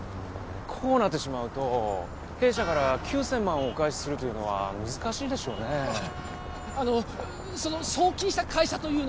こうなってしまうと弊社から９千万をお返しするというのは難しいでしょうねあのその送金した会社というのは？